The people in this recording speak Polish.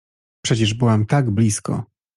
— Przecież byłam tak blisko!